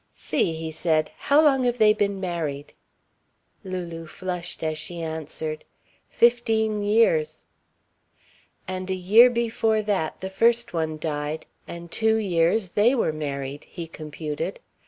"'See," he said, "how long have they been married?" Lulu flushed as she answered: "Fifteen years." "And a year before that the first one died and two years they were married," he computed.